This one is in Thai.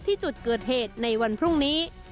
ที่จุดเกิดเหตุในวันพรุ่งนี้